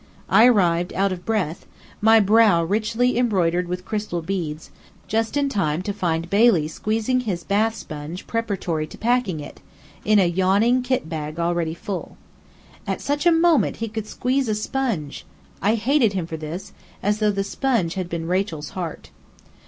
I arrived out of breath, my brow richly embroidered with crystal beads, just in time to find Bailey squeezing his bath sponge preparatory to packing it, in a yawning kitbag already full. At such a moment he could squeeze a sponge! I hated him for this, as though the sponge had been Rachel's heart.